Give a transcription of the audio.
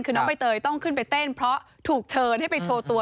คือน้องใบเตยต้องขึ้นไปเต้นเพราะถูกเชิญให้ไปโชว์ตัว